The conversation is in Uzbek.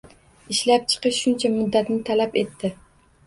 Ishlab chiqish shuncha muddatni talab etdi.